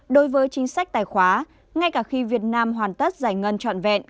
đối với chính sách tài khoá ngay cả khi việt nam hoàn tất giải ngân trọn vẹn